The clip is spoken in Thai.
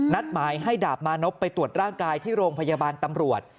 หมายให้ดาบมานพไปตรวจร่างกายที่โรงพยาบาลตำรวจ